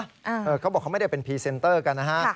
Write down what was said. เขาบอกเขาไม่ได้เป็นพรีเซนเตอร์กันนะฮะ